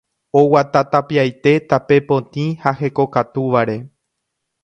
oguata tapiaite tape potĩ ha hekokatúvare